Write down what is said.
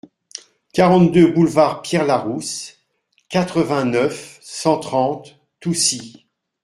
quarante-deux boulevard Pierre Larousse, quatre-vingt-neuf, cent trente, Toucy